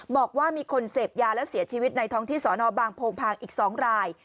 บอกว่ามีคนเสพยาแล้วเสียชีวิตในท้องที่สอนอบางโพงพางอีก๒ราย